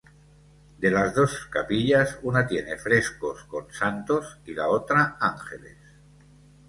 De las dos capillas una tiene frescos con "Santos" y la otra "Ángeles".